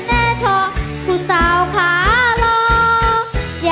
เธอเป็นผู้สาวขาเลียน